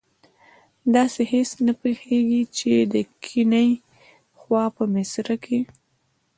داسې هېڅ نه پیښیږي چې د کیڼي خوا په مصره کې.